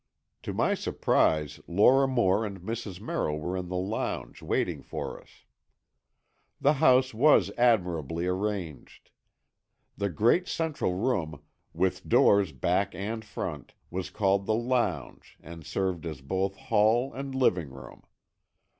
To my surprise, Lora Moore and Mrs. Merrill were in the lounge, waiting for us. The house was admirably arranged. The great central room, with doors back and front, was called the lounge, and served as both hall and living room.